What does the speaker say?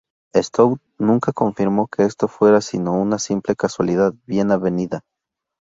Stout nunca confirmó que esto fuera sino una simple casualidad bien avenida.